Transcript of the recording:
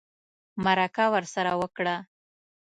مرکه ورسره وکړه